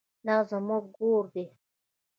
دا زموږ ګور دی؟